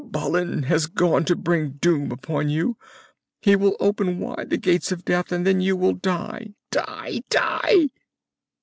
"Balin has gone to bring doom upon you! He will open wide the Gates of Death, and then you will die! die! _die!